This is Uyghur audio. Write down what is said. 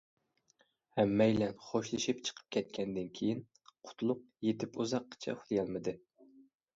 ھەممەيلەن خوشلىشىپ چىقىپ كەتكەندىن كېيىن قۇتلۇق يېتىپ ئۇزاققىچە ئۇخلىيالمىدى.